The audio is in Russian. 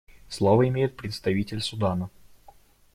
Слово имеет представитель Судана.